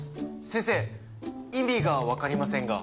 先生意味がわかりませんが。